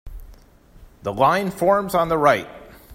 The line forms on the right.